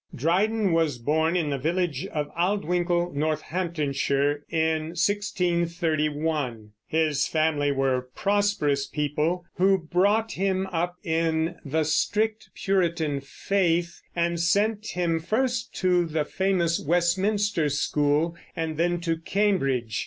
Dryden was born in the village of Aldwinkle, Northamptonshire, in 1631. His family were prosperous people, who brought him up in the strict Puritan faith, and sent him first to the famous Westminster school and then to Cambridge.